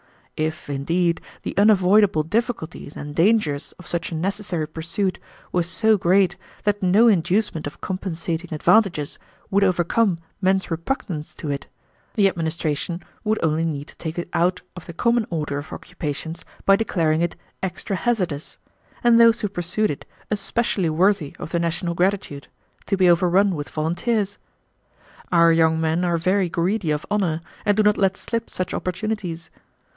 If, indeed, the unavoidable difficulties and dangers of such a necessary pursuit were so great that no inducement of compensating advantages would overcome men's repugnance to it, the administration would only need to take it out of the common order of occupations by declaring it 'extra hazardous,' and those who pursued it especially worthy of the national gratitude, to be overrun with volunteers. Our young men are very greedy of honor, and do not let slip such opportunities.